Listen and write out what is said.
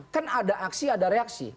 kan ada aksi ada reaksi